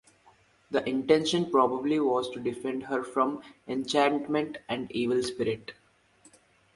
The intention probably was to defend her from enchantment and evil spirits.